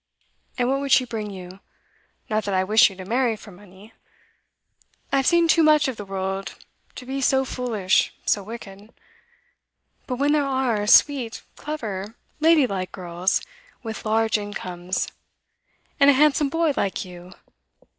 And what would she bring you? Not that I wish you to marry for money. I have seen too much of the world to be so foolish, so wicked. But when there are sweet, clever, lady like girls, with large incomes ! And a handsome boy like you!